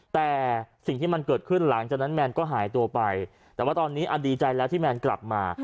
แต่สิ่งที่มันเกิดขึ้นหลังจากนั้นแมนก็หายตัวไปแต่ว่าตอนนี้ดีใจแล้วที่แมนกลับมา